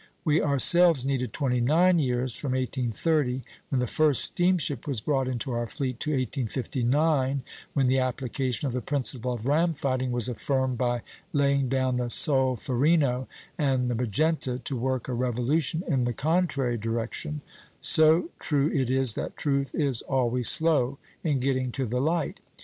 We ourselves needed twenty nine years from 1830, when the first steamship was brought into our fleet, to 1859, when the application of the principle of ram fighting was affirmed by laying down the 'Solferino' and the 'Magenta' to work a revolution in the contrary direction; so true it is that truth is always slow in getting to the light....